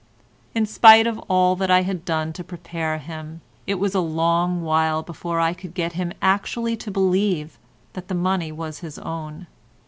In spite of all that I had done to prepare him, it was a long while before I could get him actually to believe that the money was his own.